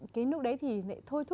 cái lúc đấy thì